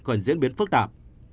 còn diễn biến phức tạp